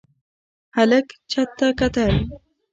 هلک چت ته کتل.